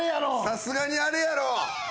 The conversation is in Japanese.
さすがにあれやろ！